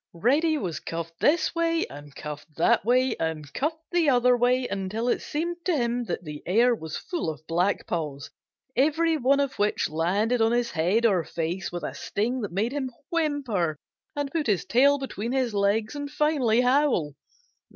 Reddy was cuffed this way and cuffed that way and cuffed the other way until it seemed to him that the air was full of black paws, every one of which landed on his head or face with a sting that made him whimper and put his tail between his legs, and finally howl.